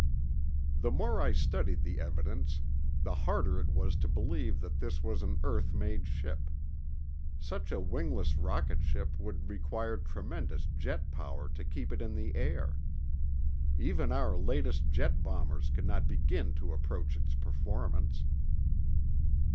The more I studied the evidence, the harder it was to believe that this was an earth made ship. Such a wingless rocket ship would require tremendous jet power to keep it in the air. Even our latest jet bombers could not begin to approach its performance.